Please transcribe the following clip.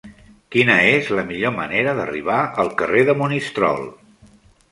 Quina és la millor manera d'arribar al carrer de Monistrol?